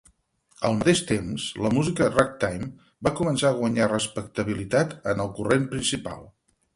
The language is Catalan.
Al mateix temps, la música ragtime va començar a guanyar respectabilitat en el corrent principal.